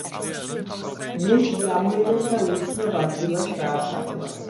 ნეშტი ამოიღეს და უცნობ ადგილას დაასაფლავეს.